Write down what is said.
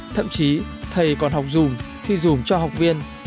thậm chí thầy còn học dùm thì dùm cho học viên